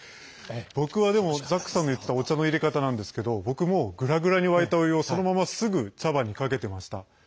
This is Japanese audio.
僕はザックさんの言ってたお茶のいれ方なんですけど僕、もうぐらぐらに沸いたお湯をそのまますぐ茶葉にかけてました。